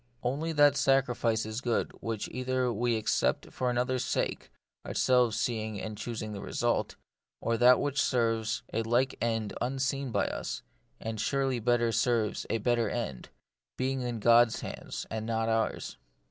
Only that sacrifice is good which either we accept for another's sake, ourselves seeing and choosing the result ; or that which serves a like end unseen by us ; and surely better serves a better end, being in God's hands, and not ours.